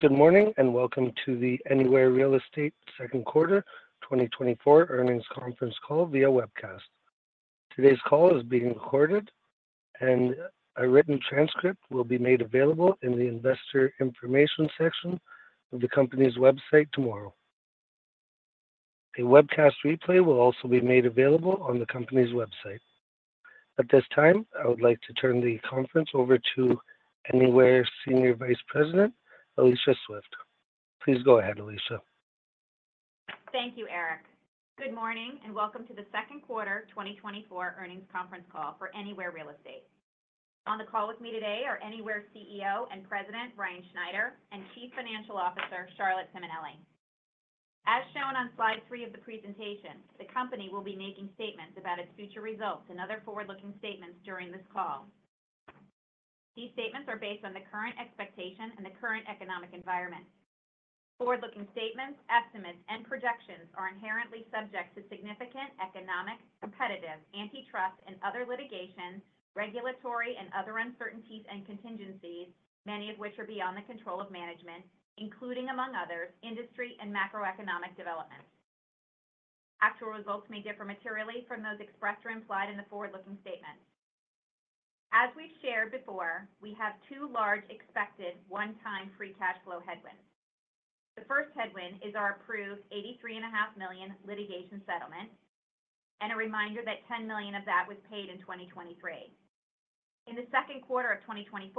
Good morning and welcome to the Anywhere Real Estate second quarter 2024 earnings conference call via webcast. Today's call is being recorded, and a written transcript will be made available in the investor information section of the company's website tomorrow. A webcast replay will also be made available on the company's website. At this time, I would like to turn the conference over to Anywhere Senior Vice President, Alicia Swift. Please go ahead, Alicia. Thank you, Eric. Good morning and welcome to the second quarter 2024 earnings conference call for Anywhere Real Estate. On the call with me today are Anywhere CEO and President Ryan Schneider and Chief Financial Officer, Charlotte Simonelli. As shown on slide 3 of the presentation, the company will be making statements about its future results and other forward-looking statements during this call. These statements are based on the current expectation and the current economic environment. Forward-looking statements, estimates, and projections are inherently subject to significant economic, competitive, antitrust, and other litigation, regulatory, and other uncertainties and contingencies, many of which are beyond the control of management, including, among others, industry and macroeconomic developments. Actual results may differ materially from those expressed or implied in the forward-looking statements. As we've shared before, we have two large expected one-time free cash flow headwinds. The first headwind is our approved $83.5 million litigation settlement and a reminder that $10 million of that was paid in 2023. In the second quarter of 2024,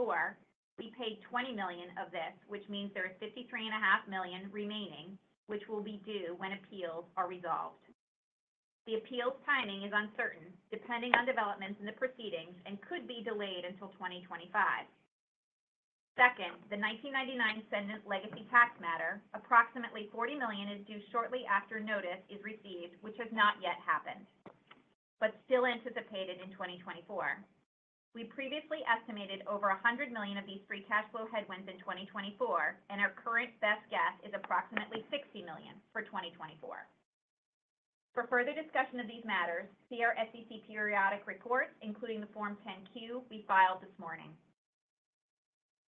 we paid $20 million of this, which means there is $53.5 million remaining, which will be due when appeals are resolved. The appeals timing is uncertain, depending on developments in the proceedings, and could be delayed until 2025. Second, the 1999 Cendant legacy tax matter, approximately $40 million is due shortly after notice is received, which has not yet happened, but still anticipated in 2024. We previously estimated over $100 million of these free cash flow headwinds in 2024, and our current best guess is approximately $60 million for 2024. For further discussion of these matters, see our SEC periodic reports, including the Form 10-Q we filed this morning.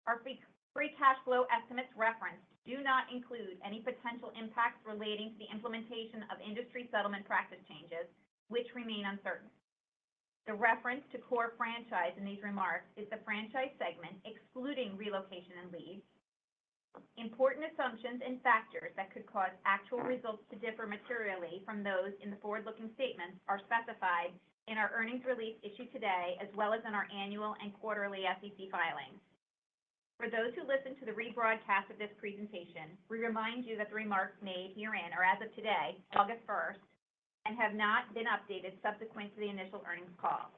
Our free cash flow estimates referenced do not include any potential impacts relating to the implementation of industry settlement practice changes, which remain uncertain. The reference to core franchise in these remarks is the franchise segment excluding relocation and lease. Important assumptions and factors that could cause actual results to differ materially from those in the forward-looking statements are specified in our earnings release issued today, as well as in our annual and quarterly SEC filings. For those who listen to the rebroadcast of this presentation, we remind you that the remarks made herein are as of today, August 1st, and have not been updated subsequent to the initial earnings call.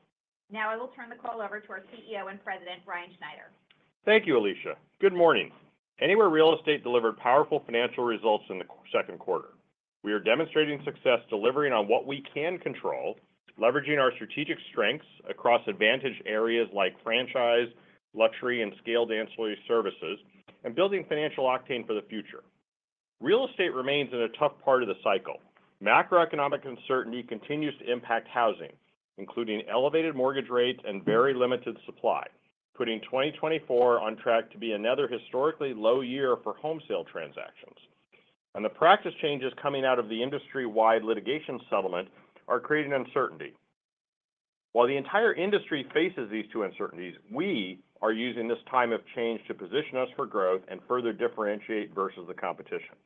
Now I will turn the call over to our CEO and President, Ryan Schneider. Thank you, Alicia. Good morning. Anywhere Real Estate delivered powerful financial results in the second quarter. We are demonstrating success delivering on what we can control, leveraging our strategic strengths across advantage areas like franchise, luxury, and scaled ancillary services, and building financial octane for the future. Real estate remains in a tough part of the cycle. Macroeconomic uncertainty continues to impact housing, including elevated mortgage rates and very limited supply, putting 2024 on track to be another historically low year for home sale transactions. The practice changes coming out of the industry-wide litigation settlement are creating uncertainty. While the entire industry faces these two uncertainties, we are using this time of change to position us for growth and further differentiate versus the competition.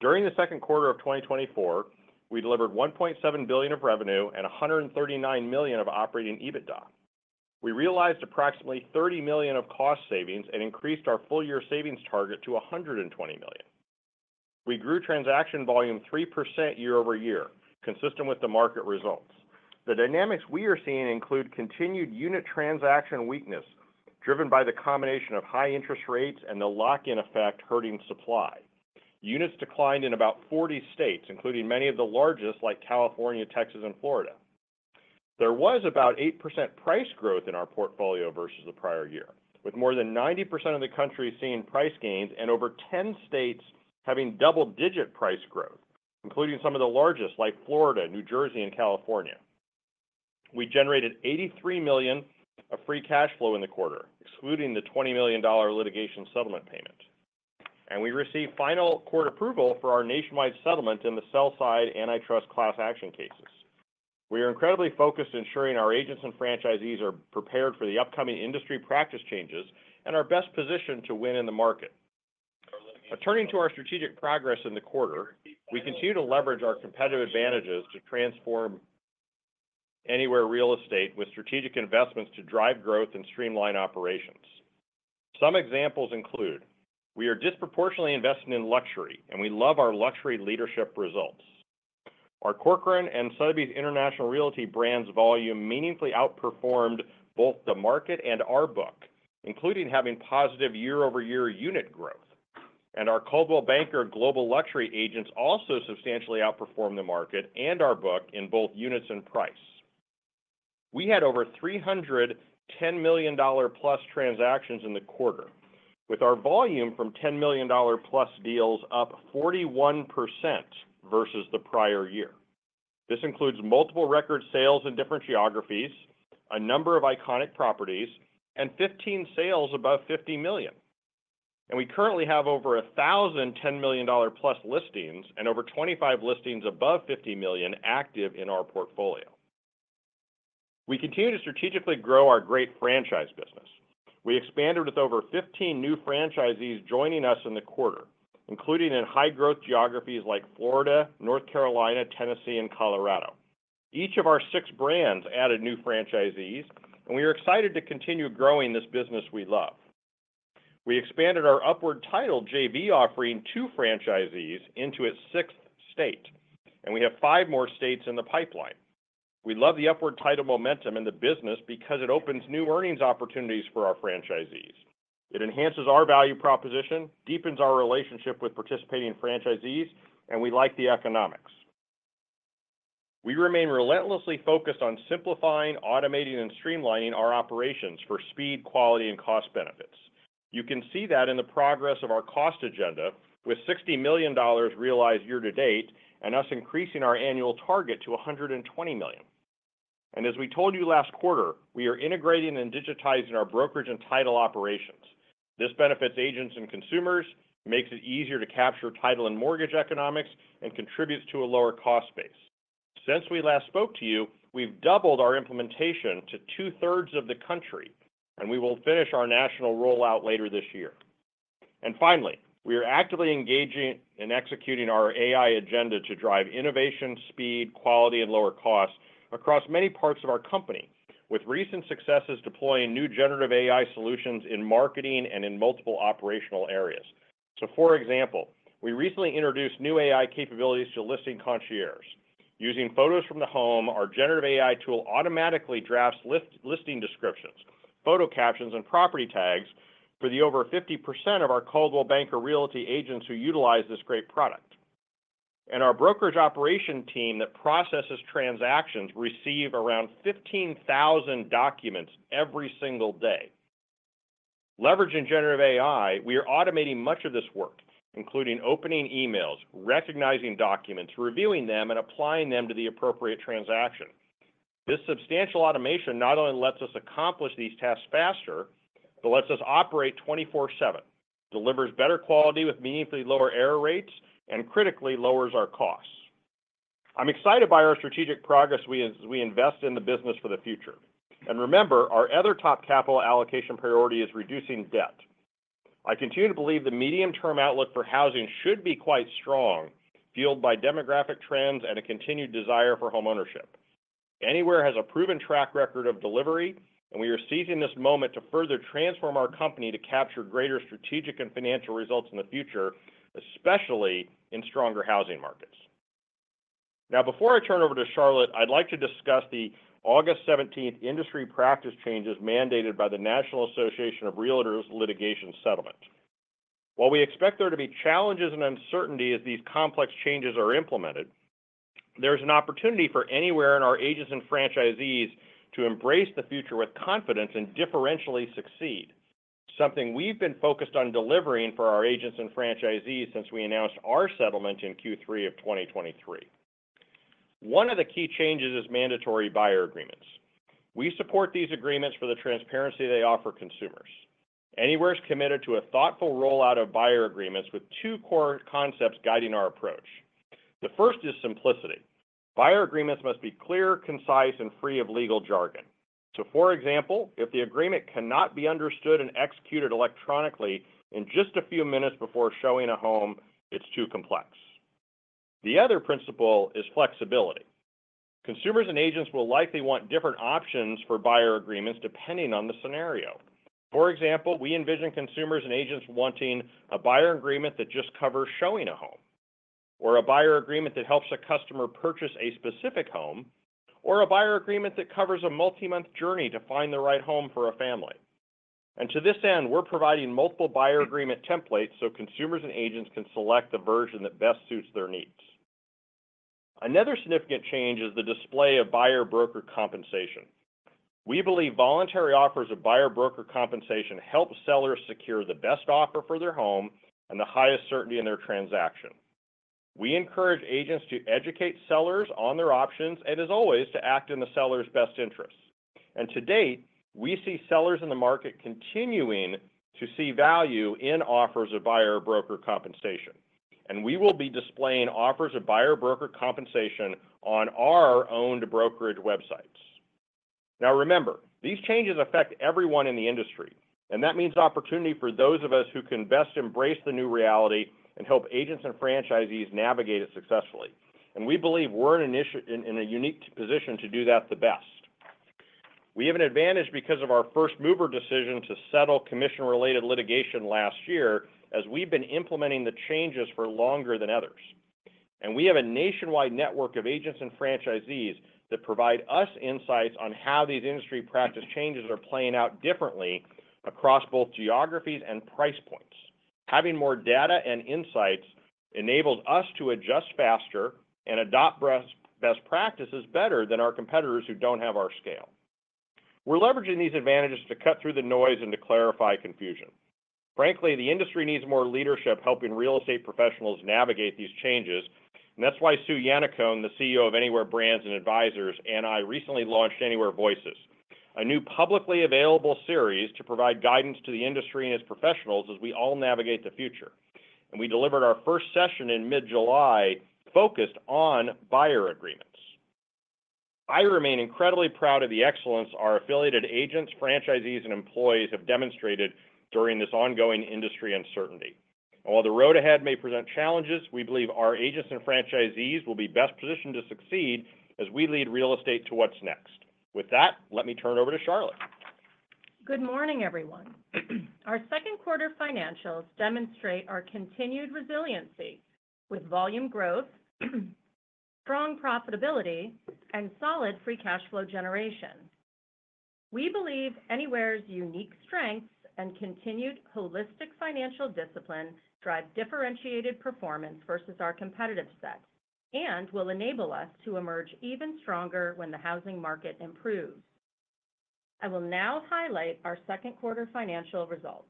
During the second quarter of 2024, we delivered $1.7 billion of revenue and $139 million of operating EBITDA. We realized approximately $30 million of cost savings and increased our full-year savings target to $120 million. We grew transaction volume 3% year-over-year, consistent with the market results. The dynamics we are seeing include continued unit transaction weakness driven by the combination of high interest rates and the lock-in effect hurting supply. Units declined in about 40 states, including many of the largest like California, Texas, and Florida. There was about 8% price growth in our portfolio versus the prior year, with more than 90% of the country seeing price gains and over 10 states having double-digit price growth, including some of the largest like Florida, New Jersey, and California. We generated $83 million of free cash flow in the quarter, excluding the $20 million litigation settlement payment. We received final court approval for our nationwide settlement in the sell-side antitrust class action cases. We are incredibly focused on ensuring our agents and franchisees are prepared for the upcoming industry practice changes and are best positioned to win in the market. Attending to our strategic progress in the quarter, we continue to leverage our competitive advantages to transform Anywhere Real Estate with strategic investments to drive growth and streamline operations. Some examples include: We are disproportionately invested in luxury, and we love our luxury leadership results. Our Corcoran and Sotheby's International Realty brands volume meaningfully outperformed both the market and our book, including having positive year-over-year unit growth. Our Coldwell Banker Global Luxury agents also substantially outperformed the market and our book in both units and price. We had over $310 million-plus transactions in the quarter, with our volume from $10 million-plus deals up 41% versus the prior year. This includes multiple record sales in different geographies, a number of iconic properties, and 15 sales above $50 million. We currently have over 1,000 $10 million-plus listings and over 25 listings above $50 million active in our portfolio. We continue to strategically grow our great franchise business. We expanded with over 15 new franchisees joining us in the quarter, including in high-growth geographies like Florida, North Carolina, Tennessee, and Colorado. Each of our six brands added new franchisees, and we are excited to continue growing this business we love. We expanded our Upward Title JV offering to franchisees into its sixth state, and we have five more states in the pipeline. We love the Upward Title momentum in the business because it opens new earnings opportunities for our franchisees. It enhances our value proposition, deepens our relationship with participating franchisees, and we like the economics. We remain relentlessly focused on simplifying, automating, and streamlining our operations for speed, quality, and cost benefits. You can see that in the progress of our cost agenda with $60 million realized year to date and us increasing our annual target to $120 million. As we told you last quarter, we are integrating and digitizing our brokerage and title operations. This benefits agents and consumers, makes it easier to capture title and mortgage economics, and contributes to a lower cost base. Since we last spoke to you, we've doubled our implementation to two-thirds of the country, and we will finish our national rollout later this year. Finally, we are actively engaging and executing our AI agenda to drive innovation, speed, quality, and lower costs across many parts of our company, with recent successes deploying new generative AI solutions in marketing and in multiple operational areas. So, for example, we recently introduced new AI capabilities to Listing Concierge. Using photos from the home, our generative AI tool automatically drafts listing descriptions, photo captions, and property tags for the over 50% of our Coldwell Banker Realty agents who utilize this great product. And our brokerage operation team that processes transactions receives around 15,000 documents every single day. Leveraging generative AI, we are automating much of this work, including opening emails, recognizing documents, reviewing them, and applying them to the appropriate transaction. This substantial automation not only lets us accomplish these tasks faster, but lets us operate 24/7, delivers better quality with meaningfully lower error rates, and critically, lowers our costs. I'm excited by our strategic progress as we invest in the business for the future. And remember, our other top capital allocation priority is reducing debt. I continue to believe the medium-term outlook for housing should be quite strong, fueled by demographic trends and a continued desire for homeownership. Anywhere has a proven track record of delivery, and we are seizing this moment to further transform our company to capture greater strategic and financial results in the future, especially in stronger housing markets. Now, before I turn over to Charlotte, I'd like to discuss the August 17th industry practice changes mandated by the National Association of Realtors Litigation Settlement. While we expect there to be challenges and uncertainty as these complex changes are implemented, there's an opportunity for Anywhere and our agents and franchisees to embrace the future with confidence and differentially succeed, something we've been focused on delivering for our agents and franchisees since we announced our settlement in Q3 of 2023. One of the key changes is mandatory buyer agreements. We support these agreements for the transparency they offer consumers. Anywhere is committed to a thoughtful rollout of buyer agreements with two core concepts guiding our approach. The first is simplicity. Buyer agreements must be clear, concise, and free of legal jargon. So, for example, if the agreement cannot be understood and executed electronically in just a few minutes before showing a home, it's too complex. The other principle is flexibility. Consumers and agents will likely want different options for buyer agreements depending on the scenario. For example, we envision consumers and agents wanting a buyer agreement that just covers showing a home, or a buyer agreement that helps a customer purchase a specific home, or a buyer agreement that covers a multi-month journey to find the right home for a family. And to this end, we're providing multiple buyer agreement templates so consumers and agents can select the version that best suits their needs. Another significant change is the display of buyer broker compensation. We believe voluntary offers of buyer broker compensation help sellers secure the best offer for their home and the highest certainty in their transaction. We encourage agents to educate sellers on their options and, as always, to act in the seller's best interests. And to date, we see sellers in the market continuing to see value in offers of buyer broker compensation. And we will be displaying offers of buyer broker compensation on our owned brokerage websites. Now, remember, these changes affect everyone in the industry, and that means opportunity for those of us who can best embrace the new reality and help agents and franchisees navigate it successfully. We believe we're in a unique position to do that the best. We have an advantage because of our first mover decision to settle commission-related litigation last year, as we've been implementing the changes for longer than others. We have a nationwide network of agents and franchisees that provide us insights on how these industry practice changes are playing out differently across both geographies and price points. Having more data and insights enables us to adjust faster and adopt best practices better than our competitors who don't have our scale. We're leveraging these advantages to cut through the noise and to clarify confusion. Frankly, the industry needs more leadership helping real estate professionals navigate these changes. And that's why Sue Yannaccone, the CEO of Anywhere Brands and Anywhere Advisors, and I recently launched Anywhere Voices, a new publicly available series to provide guidance to the industry and its professionals as we all navigate the future. And we delivered our first session in mid-July focused on buyer agreements. I remain incredibly proud of the excellence our affiliated agents, franchisees, and employees have demonstrated during this ongoing industry uncertainty. And while the road ahead may present challenges, we believe our agents and franchisees will be best positioned to succeed as we lead real estate to what's next. With that, let me turn over to Charlotte. Good morning, everyone. Our second quarter financials demonstrate our continued resiliency with volume growth, strong profitability, and solid Free Cash Flow generation. We believe Anywhere's unique strengths and continued holistic financial discipline drive differentiated performance versus our competitive set and will enable us to emerge even stronger when the housing market improves. I will now highlight our second quarter financial results.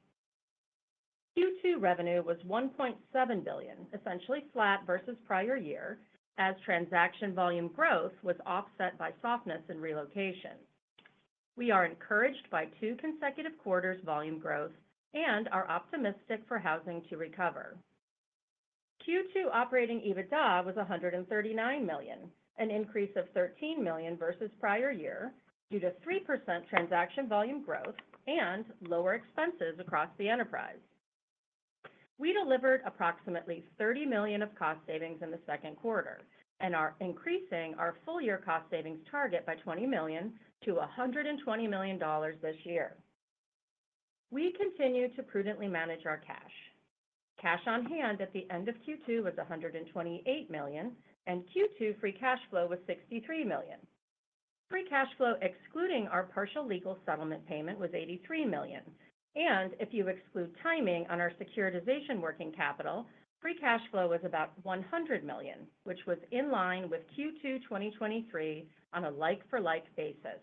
Q2 revenue was $1.7 billion, essentially flat versus prior year, as transaction volume growth was offset by softness in relocation. We are encouraged by two consecutive quarters' volume growth and are optimistic for housing to recover. Q2 Operating EBITDA was $139 million, an increase of $13 million versus prior year due to 3% transaction volume growth and lower expenses across the enterprise. We delivered approximately $30 million of cost savings in the second quarter and are increasing our full-year cost savings target by $20 million-$120 million this year. We continue to prudently manage our cash. Cash on hand at the end of Q2 was $128 million, and Q2 free cash flow was $63 million. Free cash flow excluding our partial legal settlement payment was $83 million. And if you exclude timing on our securitization working capital, free cash flow was about $100 million, which was in line with Q2 2023 on a like-for-like basis.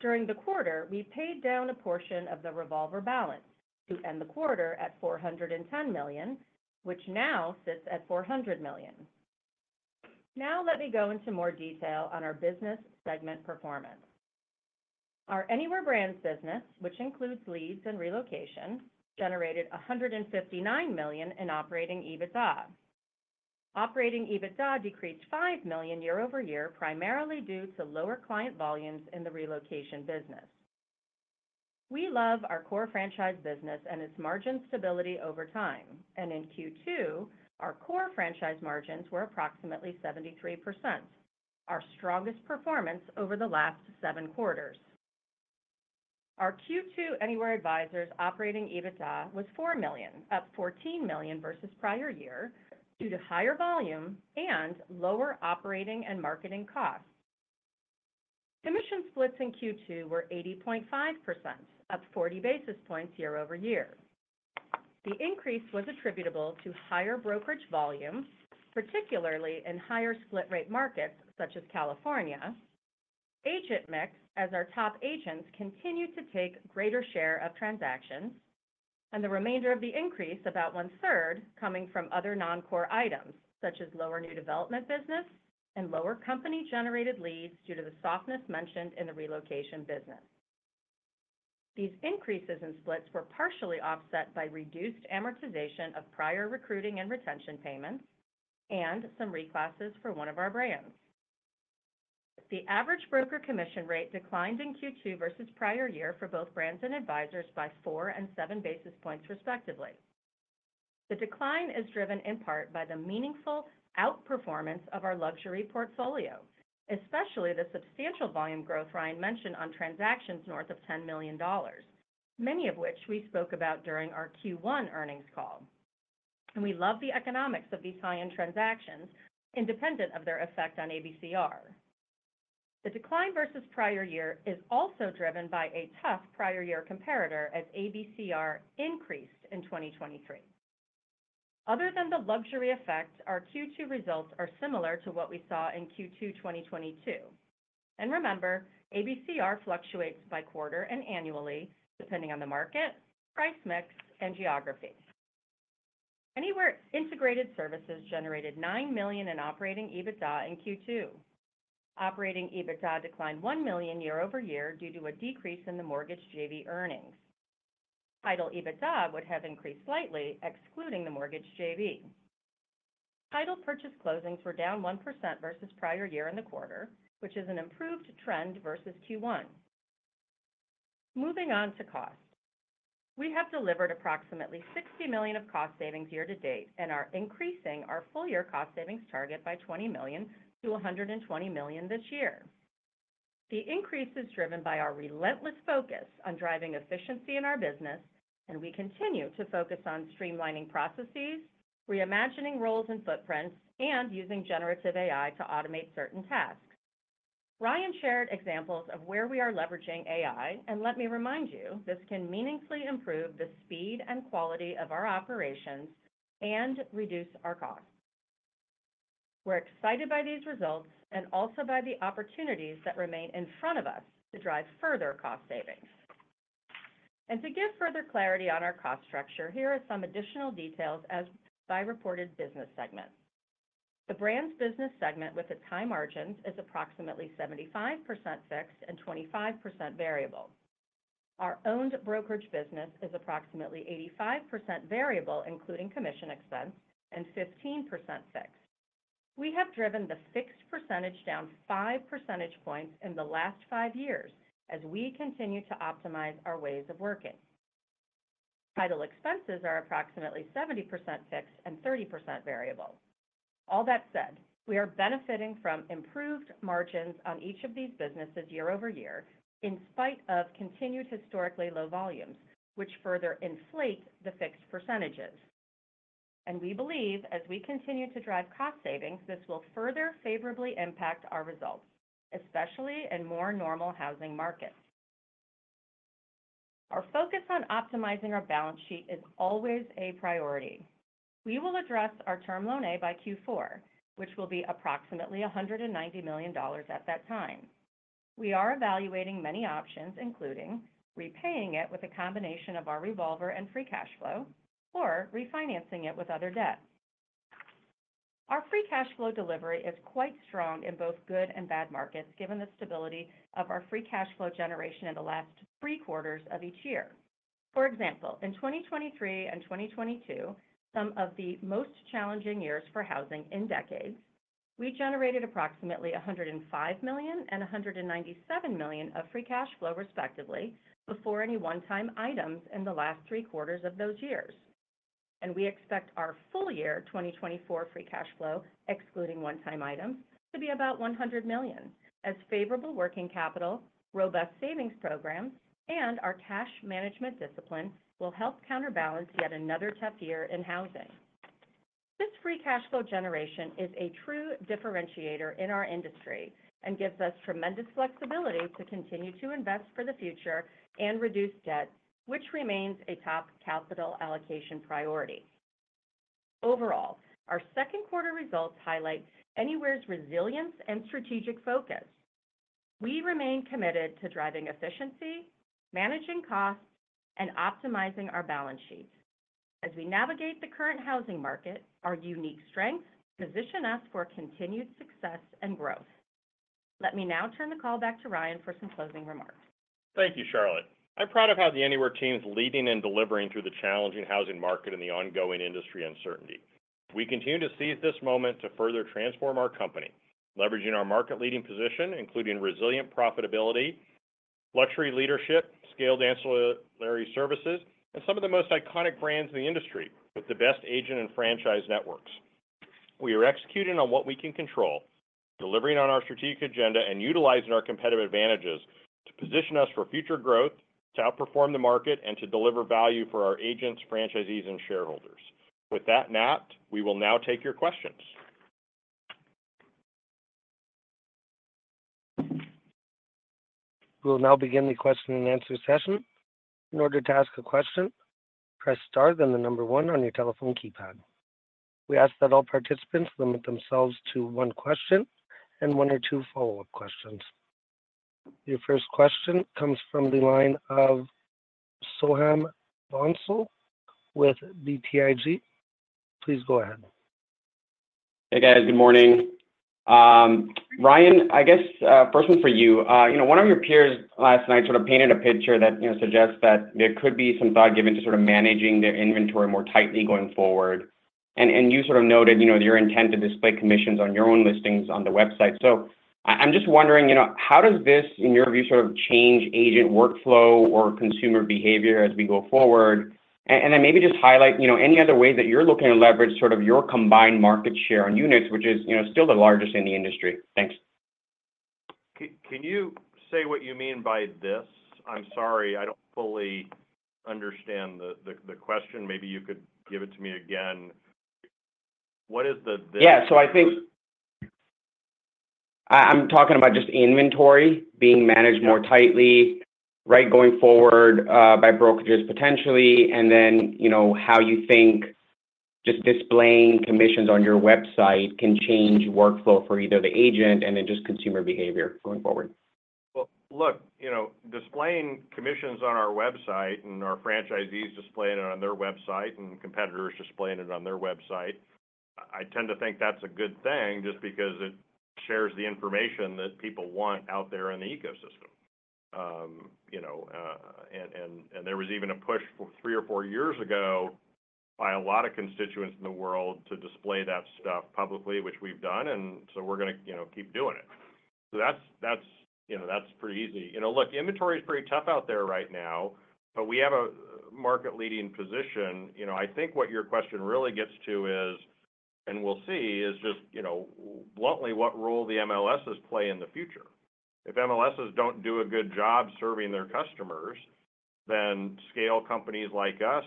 During the quarter, we paid down a portion of the revolver balance to end the quarter at $410 million, which now sits at $400 million. Now let me go into more detail on our business segment performance. Our Anywhere Brands business, which includes leads and relocation, generated $159 million in Operating EBITDA. Operating EBITDA decreased $5 million year-over-year primarily due to lower client volumes in the relocation business. We love our core franchise business and its margin stability over time. In Q2, our core franchise margins were approximately 73%, our strongest performance over the last seven quarters. Our Q2 Anywhere Advisors operating EBITDA was $4 million, up $14 million versus prior year due to higher volume and lower operating and marketing costs. Commission splits in Q2 were 80.5%, up 40 basis points year-over-year. The increase was attributable to higher brokerage volumes, particularly in higher split rate markets such as California. Agent mix as our top agents continued to take greater share of transactions, and the remainder of the increase, about one-third, coming from other non-core items such as lower new development business and lower company-generated leads due to the softness mentioned in the relocation business. These increases in splits were partially offset by reduced amortization of prior recruiting and retention payments and some reclasses for one of our brands. The average broker commission rate declined in Q2 versus prior year for both brands and advisors by 4 and 7 basis points respectively. The decline is driven in part by the meaningful outperformance of our luxury portfolio, especially the substantial volume growth Ryan mentioned on transactions north of $10 million, many of which we spoke about during our Q1 earnings call. We love the economics of these high-end transactions independent of their effect on ABCR. The decline versus prior year is also driven by a tough prior year comparator as ABCR increased in 2023. Other than the luxury effect, our Q2 results are similar to what we saw in Q2 2022. Remember, ABCR fluctuates by quarter and annually depending on the market, price mix, and geography. Anywhere Integrated Services generated $9 million in operating EBITDA in Q2. Operating EBITDA declined $1 million year-over-year due to a decrease in the mortgage JV earnings. Title EBITDA would have increased slightly, excluding the mortgage JV. Title purchase closings were down 1% versus prior year in the quarter, which is an improved trend versus Q1. Moving on to cost. We have delivered approximately $60 million of cost savings year to date and are increasing our full-year cost savings target by $20 million-$120 million this year. The increase is driven by our relentless focus on driving efficiency in our business, and we continue to focus on streamlining processes, reimagining roles and footprints, and using generative AI to automate certain tasks. Ryan shared examples of where we are leveraging AI, and let me remind you, this can meaningfully improve the speed and quality of our operations and reduce our costs. We're excited by these results and also by the opportunities that remain in front of us to drive further cost savings. To give further clarity on our cost structure, here are some additional details as per reported business segments. The brand's business segment with its high margins is approximately 75% fixed and 25% variable. Our owned brokerage business is approximately 85% variable, including commission expense, and 15% fixed. We have driven the fixed percentage down 5 percentage points in the last 5 years as we continue to optimize our ways of working. Title expenses are approximately 70% fixed and 30% variable. All that said, we are benefiting from improved margins on each of these businesses year-over-year in spite of continued historically low volumes, which further inflate the fixed percentages. We believe as we continue to drive cost savings, this will further favorably impact our results, especially in more normal housing markets. Our focus on optimizing our balance sheet is always a priority. We will address our Term Loan A by Q4, which will be approximately $190 million at that time. We are evaluating many options, including repaying it with a combination of our revolver and free cash flow or refinancing it with other debt. Our free cash flow delivery is quite strong in both good and bad markets given the stability of our free cash flow generation in the last three quarters of each year. For example, in 2023 and 2022, some of the most challenging years for housing in decades, we generated approximately $105 million and $197 million of free cash flow respectively before any one-time items in the last three quarters of those years. And we expect our full-year 2024 free cash flow, excluding one-time items, to be about $100 million as favorable working capital, robust savings programs, and our cash management discipline will help counterbalance yet another tough year in housing. This free cash flow generation is a true differentiator in our industry and gives us tremendous flexibility to continue to invest for the future and reduce debt, which remains a top capital allocation priority. Overall, our second quarter results highlight Anywhere's resilience and strategic focus. We remain committed to driving efficiency, managing costs, and optimizing our balance sheet. As we navigate the current housing market, our unique strengths position us for continued success and growth. Let me now turn the call back to Ryan for some closing remarks. Thank you, Charlotte. I'm proud of how the Anywhere team is leading and delivering through the challenging housing market and the ongoing industry uncertainty. We continue to seize this moment to further transform our company, leveraging our market-leading position, including resilient profitability, luxury leadership, scaled ancillary services, and some of the most iconic brands in the industry with the best agent and franchise networks. We are executing on what we can control, delivering on our strategic agenda and utilizing our competitive advantages to position us for future growth, to outperform the market, and to deliver value for our agents, franchisees, and shareholders. With that said, we will now take your questions. We'll now begin the question and answer session. In order to ask a question, press star then the number one on your telephone keypad. We ask that all participants limit themselves to one question and one or two follow-up questions. Your first question comes from the line of Soham Bhonsle with BTIG. Please go ahead. Hey, guys. Good morning. Ryan, I guess first one for you. One of your peers last night sort of painted a picture that suggests that there could be some thought given to sort of managing their inventory more tightly going forward. You sort of noted your intent to display commissions on your own listings on the website. So I'm just wondering, how does this, in your view, sort of change agent workflow or consumer behavior as we go forward? Then maybe just highlight any other ways that you're looking to leverage sort of your combined market share on units, which is still the largest in the industry. Thanks. Can you say what you mean by this? I'm sorry, I don't fully understand the question. Maybe you could give it to me again. What is the. Yeah. So I think I'm talking about just inventory being managed more tightly going forward by brokerages potentially, and then how you think just displaying commissions on your website can change workflow for either the agent and then just consumer behavior going forward? Well, look, displaying commissions on our website and our franchisees displaying it on their website and competitors displaying it on their website, I tend to think that's a good thing just because it shares the information that people want out there in the ecosystem. And there was even a push three or four years ago by a lot of constituents in the world to display that stuff publicly, which we've done. And so we're going to keep doing it. So that's pretty easy. Look, inventory is pretty tough out there right now, but we have a market-leading position. I think what your question really gets to is, and we'll see, is just bluntly what role the MLSs play in the future. If MLSs don't do a good job serving their customers, then scale companies like us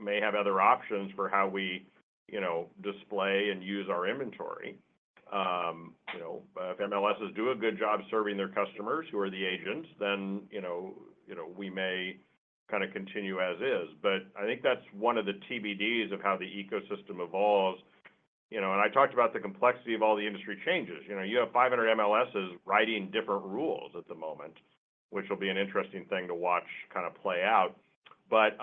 may have other options for how we display and use our inventory. If MLSs do a good job serving their customers, who are the agents, then we may kind of continue as is. But I think that's one of the TBDs of how the ecosystem evolves. And I talked about the complexity of all the industry changes. You have 500 MLSs writing different rules at the moment, which will be an interesting thing to watch kind of play out. But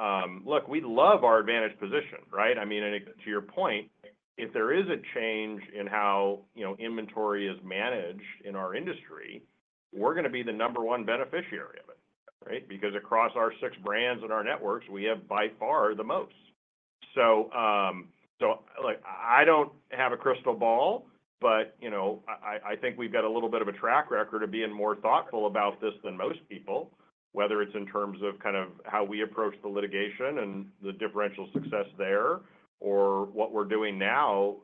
look, we love our advantage position, right? I mean, to your point, if there is a change in how inventory is managed in our industry, we're going to be the number one beneficiary of it, right? Because across our six brands and our networks, we have by far the most. So I don't have a crystal ball, but I think we've got a little bit of a track record of being more thoughtful about this than most people, whether it's in terms of kind of how we approach the litigation and the differential success there or what we're doing now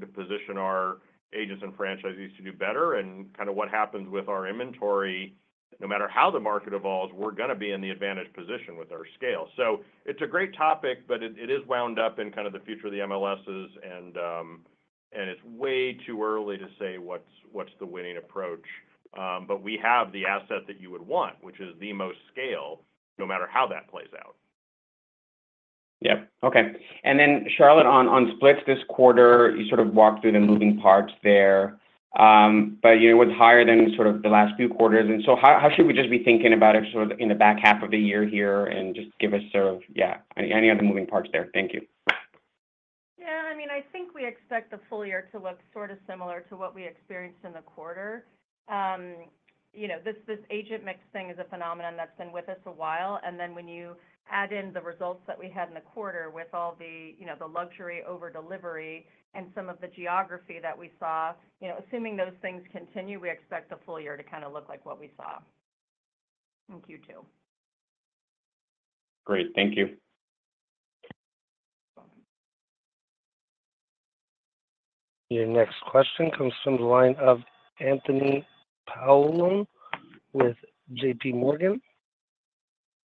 to position our agents and franchisees to do better and kind of what happens with our inventory. No matter how the market evolves, we're going to be in the advantage position with our scale. So it's a great topic, but it is wound up in kind of the future of the MLSs, and it's way too early to say what's the winning approach. But we have the asset that you would want, which is the most scale, no matter how that plays out. Yep. Okay. And then, Charlotte, on splits this quarter, you sort of walked through the moving parts there, but it was higher than sort of the last few quarters. And so how should we just be thinking about it sort of in the back half of the year here and just give us sort of, yeah, any other moving parts there? Thank you. Yeah. I mean, I think we expect the full year to look sort of similar to what we experienced in the quarter. This agent mix thing is a phenomenon that's been with us a while. And then when you add in the results that we had in the quarter with all the luxury overdelivery and some of the geography that we saw, assuming those things continue, we expect the full year to kind of look like what we saw in Q2. Great. Thank you. Your next question comes from the line of Anthony Paolone with JPMorgan.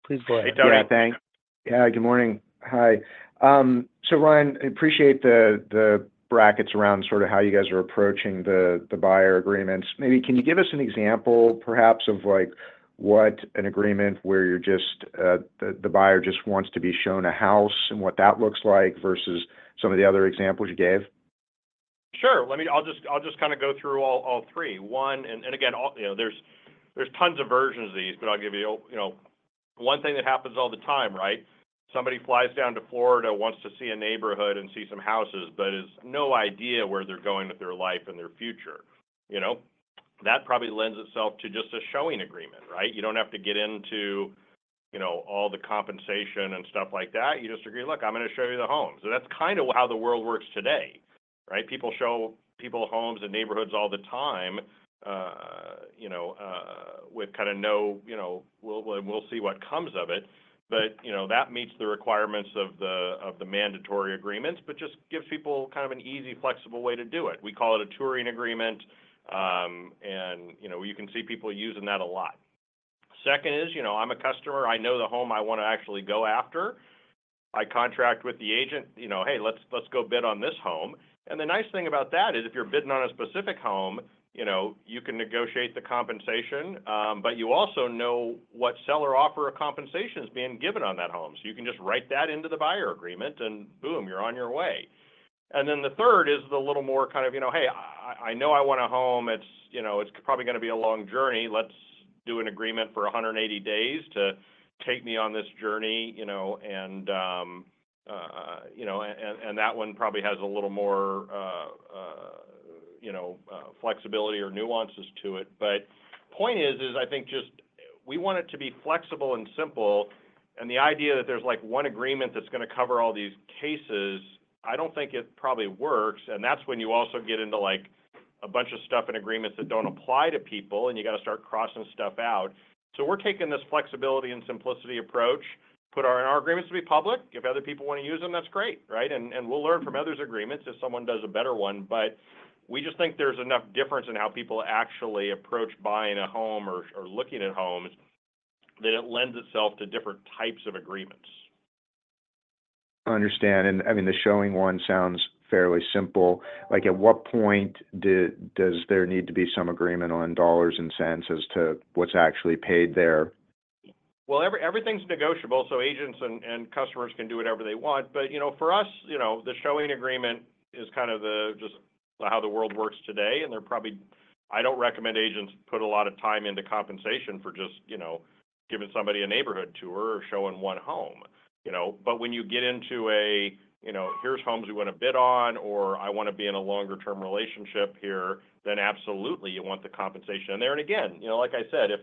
Please go ahead. Hey, Tony. Yeah. Good morning. Hi. So, Ryan, I appreciate the brackets around sort of how you guys are approaching the buyer agreements. Maybe can you give us an example perhaps of what an agreement where the buyer just wants to be shown a house and what that looks like versus some of the other examples you gave? Sure. I'll just kind of go through all three. And again, there's tons of versions of these, but I'll give you one thing that happens all the time, right? Somebody flies down to Florida, wants to see a neighborhood and see some houses, but has no idea where they're going with their life and their future. That probably lends itself to just a showing agreement, right? You don't have to get into all the compensation and stuff like that. You just agree, "Look, I'm going to show you the homes." And that's kind of how the world works today, right? People show homes and neighborhoods all the time with kind of no, "We'll see what comes of it." But that meets the requirements of the mandatory agreements, but just gives people kind of an easy, flexible way to do it. We call it a touring agreement, and you can see people using that a lot. Second is, I'm a customer. I know the home I want to actually go after. I contract with the agent, "Hey, let's go bid on this home." And the nice thing about that is if you're bidding on a specific home, you can negotiate the compensation, but you also know what seller-offer compensation is being given on that home. So you can just write that into the buyer agreement, and boom, you're on your way. And then the third is a little more kind of, "Hey, I know I want a home. It's probably going to be a long journey. Let's do an agreement for 180 days to take me on this journey." And that one probably has a little more flexibility or nuances to it. But the point is, I think just we want it to be flexible and simple. And the idea that there's one agreement that's going to cover all these cases, I don't think it probably works. And that's when you also get into a bunch of stuff and agreements that don't apply to people, and you got to start crossing stuff out. So we're taking this flexibility and simplicity approach. Put our agreements to be public. If other people want to use them, that's great, right? And we'll learn from others' agreements if someone does a better one. But we just think there's enough difference in how people actually approach buying a home or looking at homes that it lends itself to different types of agreements. I understand. I mean, the showing one sounds fairly simple. At what point does there need to be some agreement on dollars and cents as to what's actually paid there? Well, everything's negotiable, so agents and customers can do whatever they want. But for us, the showing agreement is kind of just how the world works today. And I don't recommend agents put a lot of time into compensation for just giving somebody a neighborhood tour or showing one home. But when you get into a, "Here's homes we want to bid on," or, "I want to be in a longer-term relationship here," then absolutely you want the compensation there. And again, like I said, if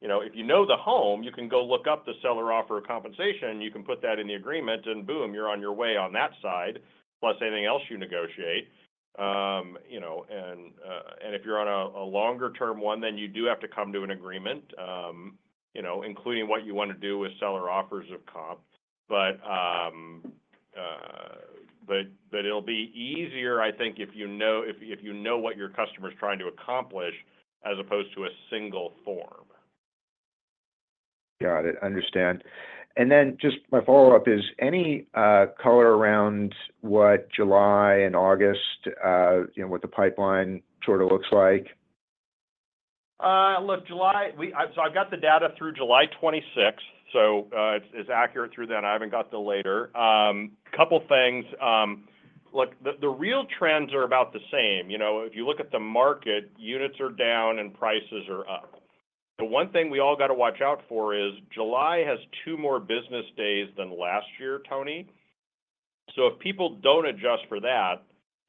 you know the home, you can go look up the seller-offer compensation, and you can put that in the agreement, and boom, you're on your way on that side, plus anything else you negotiate. And if you're on a longer-term one, then you do have to come to an agreement, including what you want to do with seller-offers of comp. But it'll be easier, I think, if you know what your customer is trying to accomplish as opposed to a single form. Got it. Understand. And then just my follow-up is, any color around what July and August, what the pipeline sort of looks like? Look, so I've got the data through July 26th, so it's accurate through then. I haven't got the later. A couple of things. Look, the real trends are about the same. If you look at the market, units are down and prices are up. The one thing we all got to watch out for is July has 2 more business days than last year, Tony. So if people don't adjust for that,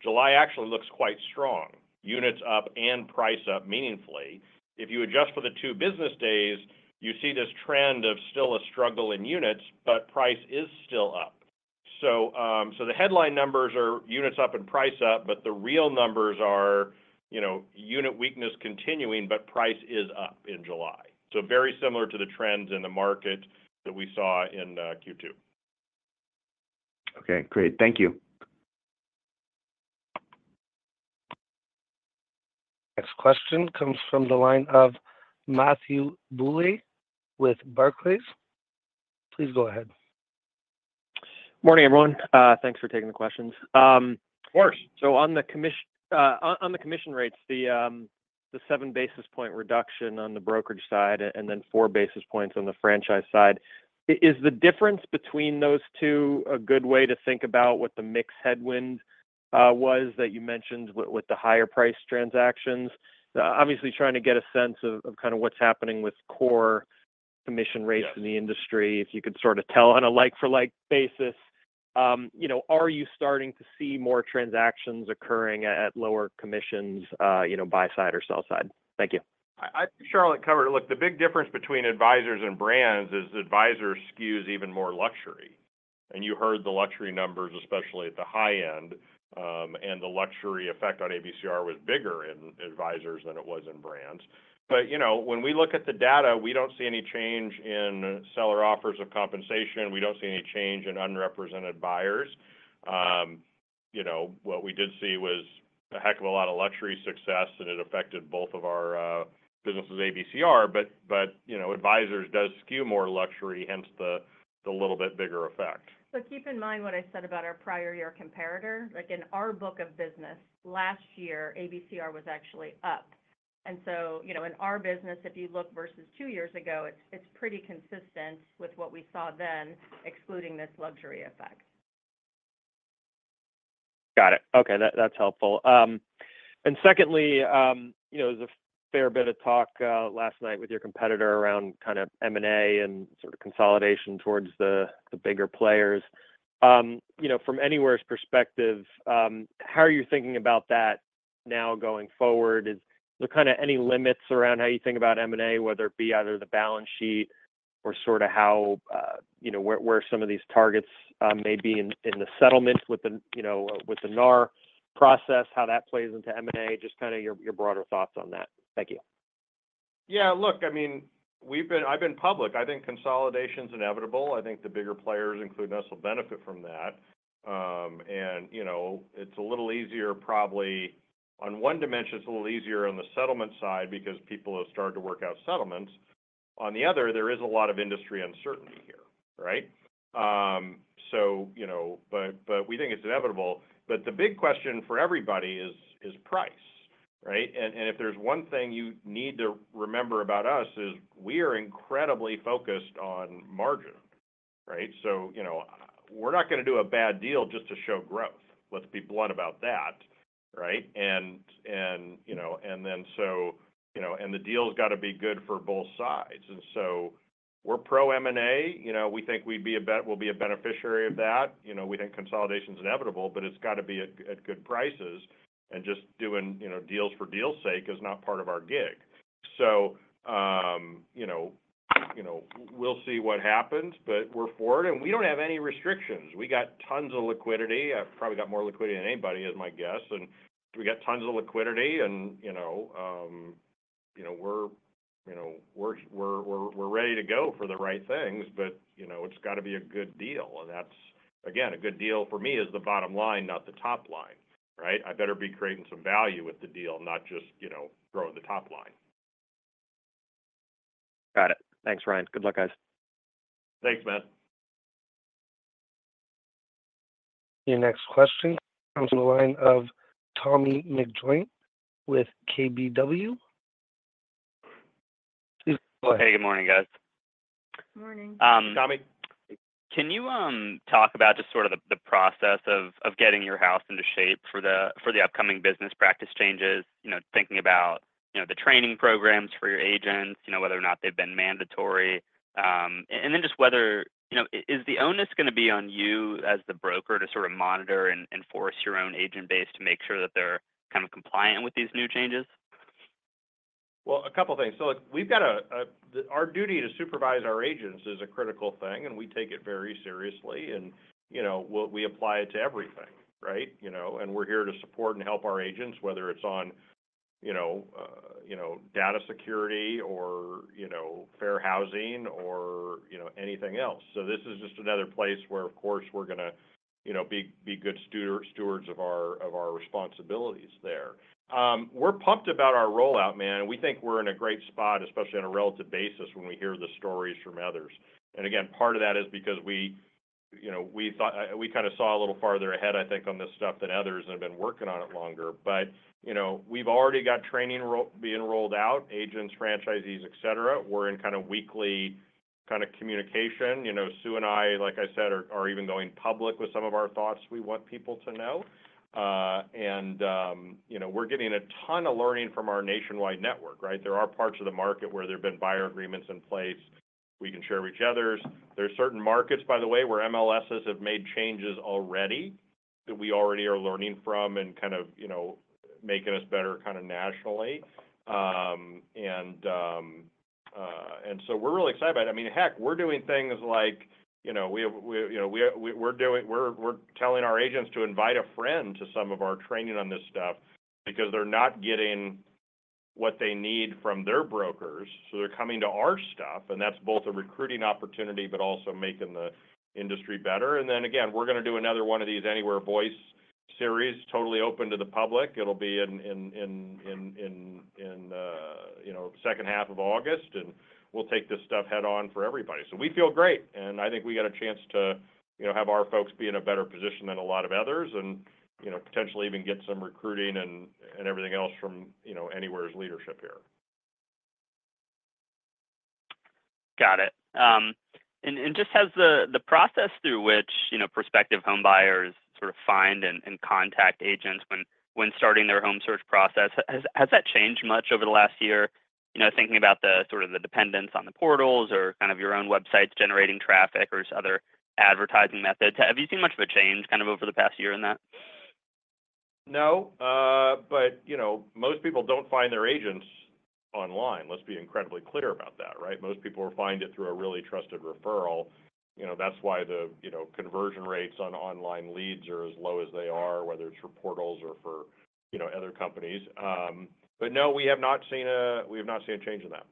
July actually looks quite strong, units up and price up meaningfully. If you adjust for the 2 business days, you see this trend of still a struggle in units, but price is still up. So the headline numbers are units up and price up, but the real numbers are unit weakness continuing, but price is up in July. So very similar to the trends in the market that we saw in Q2. Okay. Great. Thank you. Next question comes from the line of Matthew Bouley with Barclays. Please go ahead. Morning, everyone. Thanks for taking the questions. Of course. So on the commission rates, the 7 basis points reduction on the brokerage side and then 4 basis points on the franchise side, is the difference between those two a good way to think about what the mixed headwind was that you mentioned with the higher-priced transactions? Obviously, trying to get a sense of kind of what's happening with core commission rates in the industry, if you could sort of tell on a like-for-like basis, are you starting to see more transactions occurring at lower commissions buy-side or sell-side? Thank you. I think Charlotte covered it. Look, the big difference between advisors and brands is advisors skews even more luxury. And you heard the luxury numbers, especially at the high end, and the luxury effect on ABCR was bigger in advisors than it was in brands. But when we look at the data, we don't see any change in seller offers of compensation. We don't see any change in unrepresented buyers. What we did see was a heck of a lot of luxury success, and it affected both of our businesses, ABCR. But advisors do skew more luxury, hence the little bit bigger effect. Keep in mind what I said about our prior year comparator. In our book of business, last year, ABCR was actually up. So in our business, if you look versus two years ago, it's pretty consistent with what we saw then, excluding this luxury effect. Got it. Okay. That's helpful. And secondly, there was a fair bit of talk last night with your competitor around kind of M&A and sort of consolidation towards the bigger players. From Anywhere's perspective, how are you thinking about that now going forward? Is there kind of any limits around how you think about M&A, whether it be either the balance sheet or sort of where some of these targets may be in the settlement with the NAR process, how that plays into M&A, just kind of your broader thoughts on that? Thank you. Yeah. Look, I mean, I've been public. I think consolidation is inevitable. I think the bigger players, including us, will benefit from that. It's a little easier, probably on one dimension. It's a little easier on the settlement side because people have started to work out settlements. On the other, there is a lot of industry uncertainty here, right? We think it's inevitable. The big question for everybody is price, right? If there's one thing you need to remember about us is we are incredibly focused on margin, right? We're not going to do a bad deal just to show growth. Let's be blunt about that, right? And then so and the deal's got to be good for both sides. We're pro-M&A. We think we'll be a beneficiary of that. We think consolidation is inevitable, but it's got to be at good prices. Just doing deals for deal's sake is not part of our gig. We'll see what happens, but we're for it. We don't have any restrictions. We got tons of liquidity. I've probably got more liquidity than anybody, is my guess. We got tons of liquidity. We're ready to go for the right things, but it's got to be a good deal. That's, again, a good deal for me is the bottom line, not the top line, right? I better be creating some value with the deal, not just growing the top line. Got it. Thanks, Ryan. Good luck, guys. Thanks, man. Your next question comes from the line of Tommy McJoynt with KBW. Hey, good morning, guys. Good morning. Tommy. Can you talk about just sort of the process of getting your house into shape for the upcoming business practice changes, thinking about the training programs for your agents, whether or not they've been mandatory, and then just whether is the onus going to be on you as the broker to sort of monitor and enforce your own agent base to make sure that they're kind of compliant with these new changes? Well, a couple of things. So look, we've got our duty to supervise our agents is a critical thing, and we take it very seriously. And we apply it to everything, right? And we're here to support and help our agents, whether it's on data security or fair housing or anything else. So this is just another place where, of course, we're going to be good stewards of our responsibilities there. We're pumped about our rollout, man. We think we're in a great spot, especially on a relative basis, when we hear the stories from others. And again, part of that is because we kind of saw a little farther ahead, I think, on this stuff than others and have been working on it longer. But we've already got training being rolled out, agents, franchisees, etc. We're in kind of weekly kind of communication. Sue and I, like I said, are even going public with some of our thoughts we want people to know. And we're getting a ton of learning from our nationwide network, right? There are parts of the market where there have been buyer agreements in place. We can share with each other. There are certain markets, by the way, where MLSs have made changes already that we already are learning from and kind of making us better kind of nationally. And so we're really excited about it. I mean, heck, we're doing things like we're telling our agents to invite a friend to some of our training on this stuff because they're not getting what they need from their brokers. So they're coming to our stuff, and that's both a recruiting opportunity but also making the industry better. And then again, we're going to do another one of these Anywhere Voices series, totally open to the public. It'll be in the second half of August, and we'll take this stuff head-on for everybody. So we feel great. And I think we got a chance to have our folks be in a better position than a lot of others and potentially even get some recruiting and everything else from Anywhere's leadership here. Got it. And just has the process through which prospective home buyers sort of find and contact agents when starting their home search process, has that changed much over the last year? Thinking about sort of the dependence on the portals or kind of your own websites generating traffic or other advertising methods, have you seen much of a change kind of over the past year in that? No. But most people don't find their agents online. Let's be incredibly clear about that, right? Most people find it through a really trusted referral. That's why the conversion rates on online leads are as low as they are, whether it's for portals or for other companies. But no, we have not seen a change in that.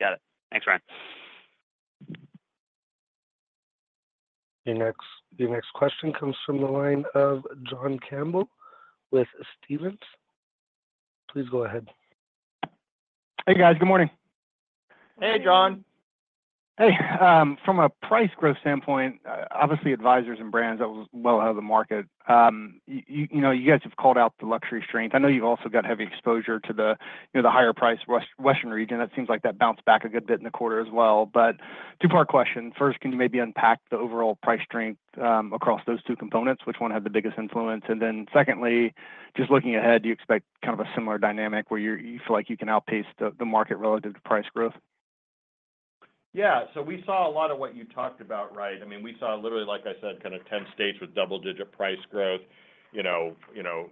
Got it. Thanks, Ryan. Your next question comes from the line of John Campbell with Stephens. Please go ahead. Hey, guys. Good morning. Hey, John. Hey. From a price growth standpoint, obviously, advisors and brands, that was well ahead of the market. You guys have called out the luxury strength. I know you've also got heavy exposure to the higher-priced Western region. That seems like that bounced back a good bit in the quarter as well. But two-part question. First, can you maybe unpack the overall price strength across those two components? Which one had the biggest influence? And then secondly, just looking ahead, do you expect kind of a similar dynamic where you feel like you can outpace the market relative to price growth? Yeah. So we saw a lot of what you talked about, right? I mean, we saw literally, like I said, kind of 10 states with double-digit price growth.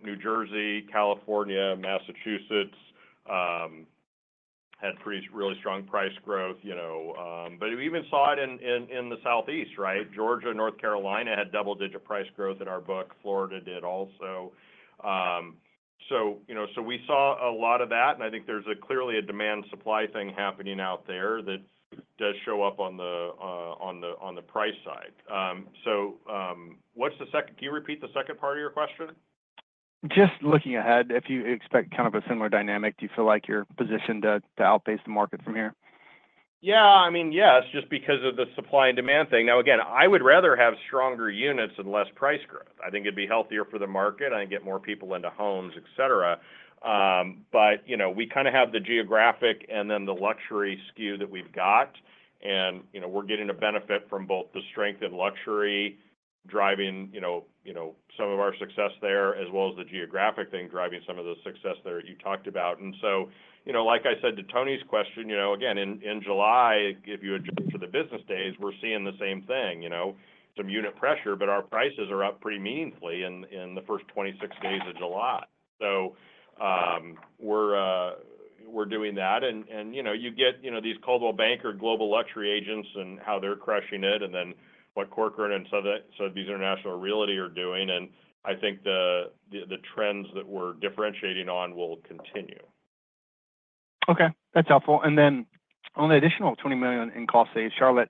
New Jersey, California, Massachusetts had really strong price growth. But we even saw it in the Southeast, right? Georgia, North Carolina had double-digit price growth in our book. Florida did also. So we saw a lot of that. And I think there's clearly a demand-supply thing happening out there that does show up on the price side. So what's the second? Can you repeat the second part of your question? Just looking ahead, if you expect kind of a similar dynamic, do you feel like you're positioned to outpace the market from here? Yeah. I mean, yes, just because of the supply and demand thing. Now, again, I would rather have stronger units and less price growth. I think it'd be healthier for the market. I think get more people into homes, etc. But we kind of have the geographic and then the luxury skew that we've got. And we're getting a benefit from both the strength and luxury driving some of our success there, as well as the geographic thing driving some of the success there that you talked about. And so, like I said to Tony's question, again, in July, if you adjust for the business days, we're seeing the same thing, some unit pressure, but our prices are up pretty meaningfully in the first 26 days of July. So we're doing that. And you get these Coldwell Banker Global Luxury agents and how they're crushing it and then what Corcoran and Sotheby's International Realty are doing. I think the trends that we're differentiating on will continue. Okay. That's helpful. And then on the additional $20 million in cost savings, Charlotte,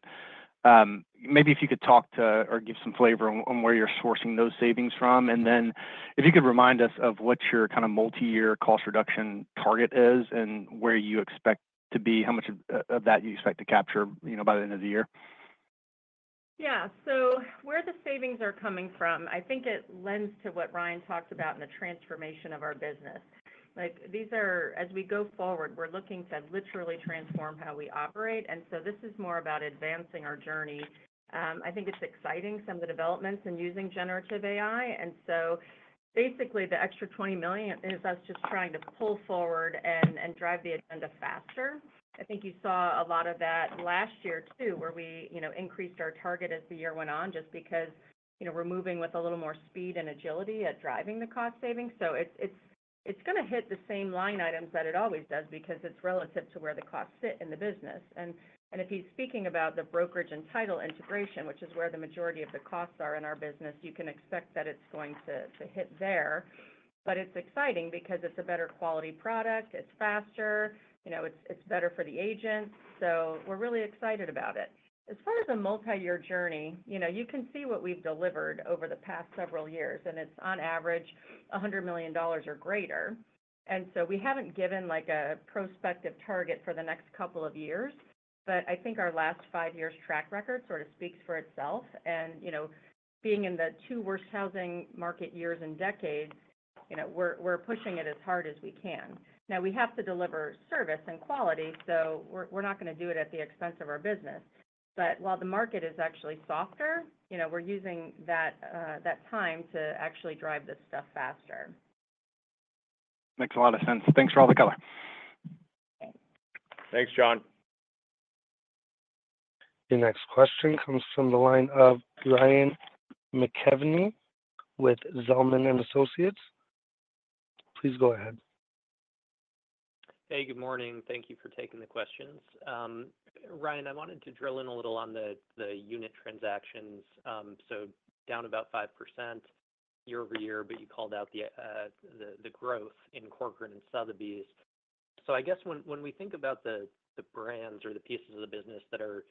maybe if you could talk to or give some flavor on where you're sourcing those savings from. And then if you could remind us of what your kind of multi-year cost reduction target is and where you expect to be, how much of that you expect to capture by the end of the year. Yeah. So where the savings are coming from, I think it lends to what Ryan talked about in the transformation of our business. As we go forward, we're looking to literally transform how we operate. And so this is more about advancing our journey. I think it's exciting, some of the developments in using generative AI. And so basically, the extra $20 million is us just trying to pull forward and drive the agenda faster. I think you saw a lot of that last year too, where we increased our target as the year went on just because we're moving with a little more speed and agility at driving the cost savings. So it's going to hit the same line items that it always does because it's relative to where the costs sit in the business. If he's speaking about the brokerage and title integration, which is where the majority of the costs are in our business, you can expect that it's going to hit there. But it's exciting because it's a better quality product. It's faster. It's better for the agents. So we're really excited about it. As far as a multi-year journey, you can see what we've delivered over the past several years. It's on average $100 million or greater. So we haven't given a prospective target for the next couple of years. But I think our last five years' track record sort of speaks for itself. Being in the two worst housing market years and decades, we're pushing it as hard as we can. Now, we have to deliver service and quality, so we're not going to do it at the expense of our business. While the market is actually softer, we're using that time to actually drive this stuff faster. Makes a lot of sense. Thanks, Charlotte Simonelli. Thanks, John. Your next question comes from the line of Ryan McKeveny with Zelman & Associates. Please go ahead. Hey, good morning. Thank you for taking the questions. Ryan, I wanted to drill in a little on the unit transactions. So down about 5% year-over-year, but you called out the growth in Corcoran and Sotheby's. So I guess when we think about the brands or the pieces of the business that are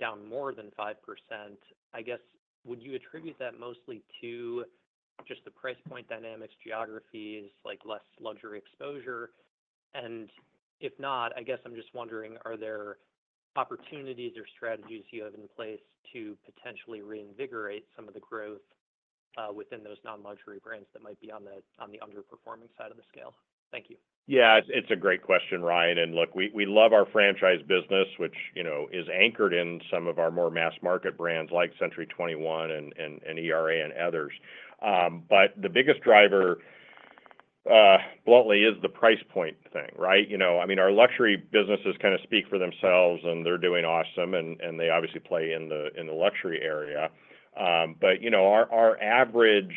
down more than 5%, I guess, would you attribute that mostly to just the price point dynamics, geographies, less luxury exposure? And if not, I guess I'm just wondering, are there opportunities or strategies you have in place to potentially reinvigorate some of the growth within those non-luxury brands that might be on the underperforming side of the scale? Thank you. Yeah. It's a great question, Ryan. And look, we love our franchise business, which is anchored in some of our more mass market brands like Century 21 and ERA and others. But the biggest driver, bluntly, is the price point thing, right? I mean, our luxury businesses kind of speak for themselves, and they're doing awesome, and they obviously play in the luxury area. But our average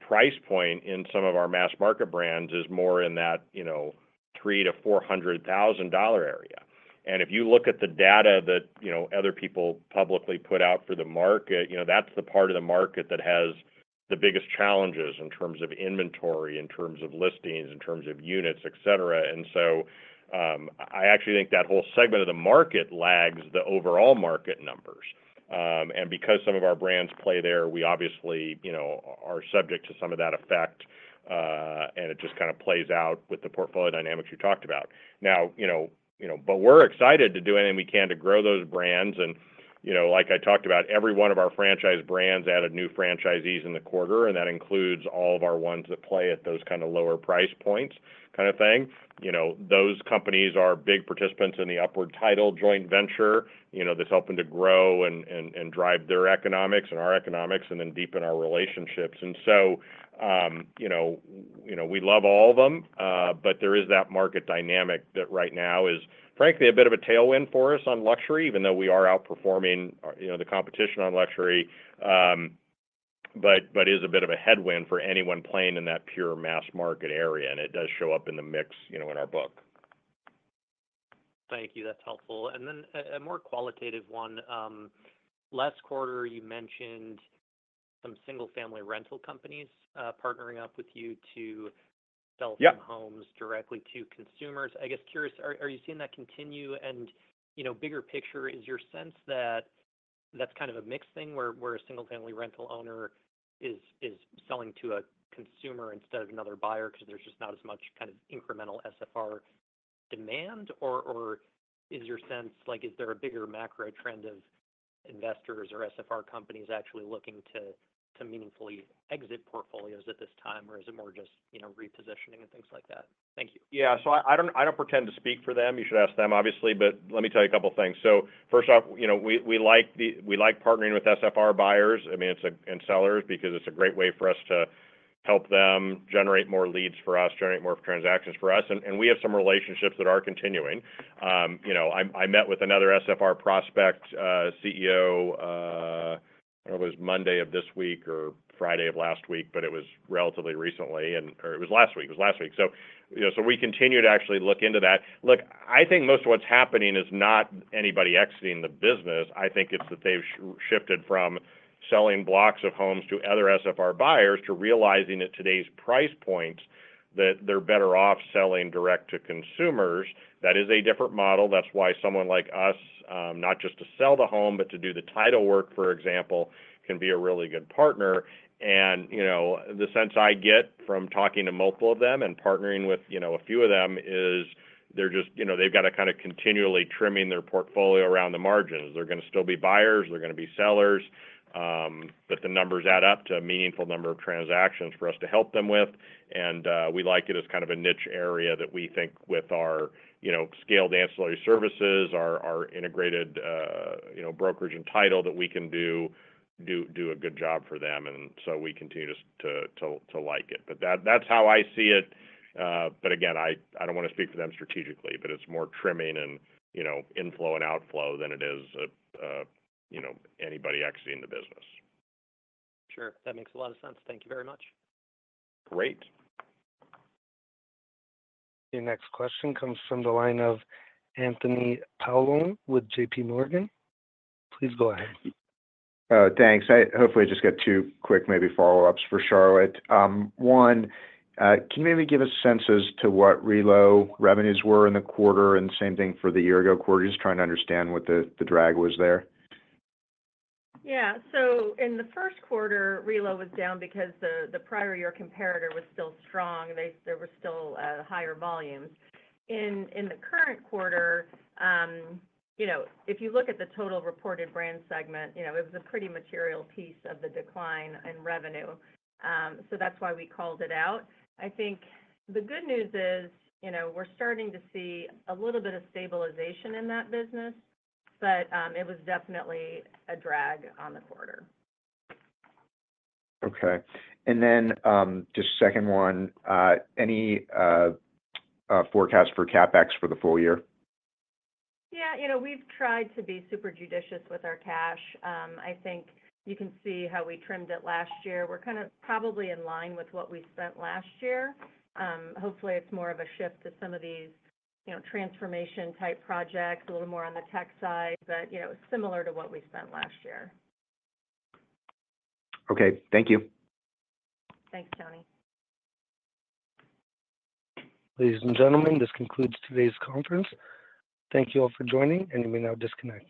price point in some of our mass market brands is more in that $300,000-$400,000 area. And if you look at the data that other people publicly put out for the market, that's the part of the market that has the biggest challenges in terms of inventory, in terms of listings, in terms of units, etc. And so I actually think that whole segment of the market lags the overall market numbers. And because some of our brands play there, we obviously are subject to some of that effect, and it just kind of plays out with the portfolio dynamics you talked about. Now, but we're excited to do anything we can to grow those brands. And like I talked about, every one of our franchise brands added new franchisees in the quarter, and that includes all of our ones that play at those kind of lower price points kind of thing. Those companies are big participants in the Upward Title joint venture that's helping to grow and drive their economics and our economics and then deepen our relationships. And so we love all of them, but there is that market dynamic that right now is, frankly, a bit of a tailwind for us on luxury, even though we are outperforming the competition on luxury, but is a bit of a headwind for anyone playing in that pure mass market area. And it does show up in the mix in our book. Thank you. That's helpful. And then a more qualitative one. Last quarter, you mentioned some single-family rental companies partnering up with you to sell some homes directly to consumers. I guess, curious, are you seeing that continue? And bigger picture, is your sense that that's kind of a mixed thing where a single-family rental owner is selling to a consumer instead of another buyer because there's just not as much kind of incremental SFR demand? Or is your sense like is there a bigger macro trend of investors or SFR companies actually looking to meaningfully exit portfolios at this time, or is it more just repositioning and things like that? Thank you. Yeah. So I don't pretend to speak for them. You should ask them, obviously. But let me tell you a couple of things. So first off, we like partnering with SFR buyers and sellers because it's a great way for us to help them generate more leads for us, generate more transactions for us. And we have some relationships that are continuing. I met with another SFR prospect CEO. I don't know if it was Monday of this week or Friday of last week, but it was relatively recently. Or it was last week. It was last week. So we continue to actually look into that. Look, I think most of what's happening is not anybody exiting the business. I think it's that they've shifted from selling blocks of homes to other SFR buyers to realizing at today's price points that they're better off selling direct to consumers. That is a different model. That's why someone like us, not just to sell the home, but to do the title work, for example, can be a really good partner. And the sense I get from talking to multiple of them and partnering with a few of them is they're just, they've got to kind of continually trim their portfolio around the margins. They're going to still be buyers. They're going to be sellers. But the numbers add up to a meaningful number of transactions for us to help them with. And we like it as kind of a niche area that we think with our scaled ancillary services, our integrated brokerage and title that we can do a good job for them. And so we continue to like it. But that's how I see it. But again, I don't want to speak for them strategically, but it's more trimming and inflow and outflow than it is anybody exiting the business. Sure. That makes a lot of sense. Thank you very much. Great. Your next question comes from the line of Anthony Paolone with JPMorgan. Please go ahead. Thanks. Hopefully, I just got two quick maybe follow-ups for Charlotte. One, can you maybe give us a sense as to what relo revenues were in the quarter and same thing for the year ago quarter? Just trying to understand what the drag was there. Yeah. So in the first quarter, relo was down because the prior year comparator was still strong. There were still higher volumes. In the current quarter, if you look at the total reported brand segment, it was a pretty material piece of the decline in revenue. So that's why we called it out. I think the good news is we're starting to see a little bit of stabilization in that business, but it was definitely a drag on the quarter. Okay. And then just second one, any forecast for CapEx for the full year? Yeah. We've tried to be super judicious with our cash. I think you can see how we trimmed it last year. We're kind of probably in line with what we spent last year. Hopefully, it's more of a shift to some of these transformation-type projects, a little more on the tech side, but similar to what we spent last year. Okay. Thank you. Thanks, Tony. Ladies and gentlemen, this concludes today's conference. Thank you all for joining, and you may now disconnect.